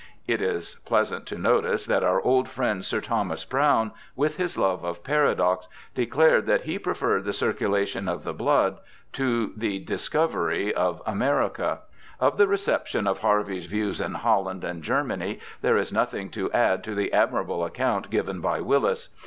'^ It is pleasant to notice that our old friend, Sir Thomas Browne, with his love of paradox, declared that he preferred the circulation of the blood to the discovery of America. Of the reception of Harvey's views in Holland and Germany there is nothing to add to the admirable account given by Willis.